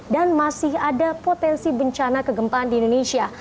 dan masih ada potensi bencana kegempaan di indonesia